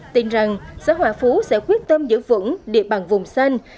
tin rằng xã hòa phú sẽ quyết tâm giữ vững địa bàn vùng xanh